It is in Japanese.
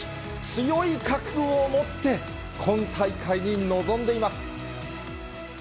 強い覚悟を持って、今大会に臨んでいます。